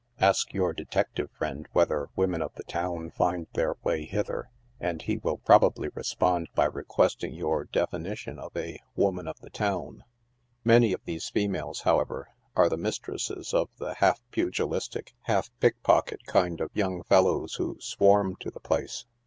Ask your detective friend whether women of the town find their way hither, and he will probably respond by requesting your definition of a " woman of the town." Many of these females, however, are the mistresses of the half pugilistic, half pickpocket, kind of young fel lows who swarm to the place.